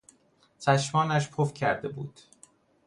چشمانش پف کرده بود.